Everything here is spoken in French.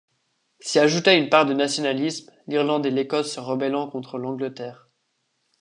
S'y ajouta une part de nationalisme, l'Irlande et l'Écosse se rebellant contre l'Angleterre.